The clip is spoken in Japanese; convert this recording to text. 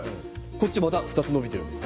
また２つ伸びているんです。